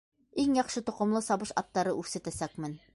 Иң яҡшы тоҡомло сабыш аттары үрсетәсәкмен!